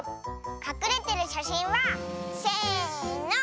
かくれてるしゃしんはせの。